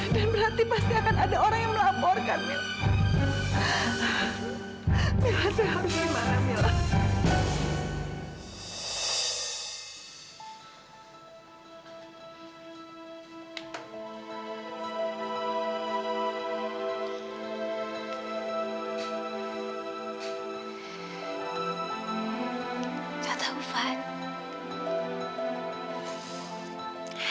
sampai jumpa di video selanjutnya